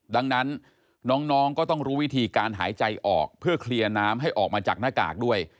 ดังนั้นน้องก็ต้องรู้วิธีการหายใจออกเพื่อเคลียร์น้ำให้ออกมาจากหน้ากากด้วย